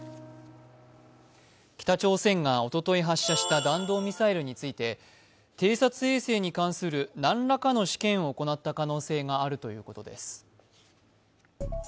北朝鮮がおととい発射した弾道ミサイルについて偵察衛星に関する何らかの試験を行った可能性があるということです。